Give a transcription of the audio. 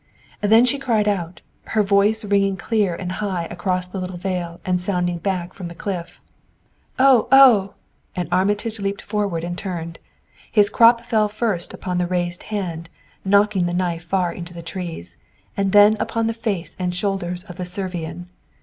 Then she cried out, her voice ringing clear and high across the little vale and sounding back from the cliff. "Oh! Oh!" and Armitage leaped forward and turned. His crop fell first upon the raised hand, knocking the knife far into the trees, then upon the face and shoulders of the Servian.